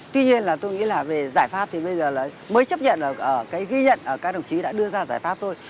tuy nhiên là tôi nghĩ là về giải pháp thì bây giờ là mới chấp nhận cái ghi nhận các đồng chí đã đưa ra giải pháp thôi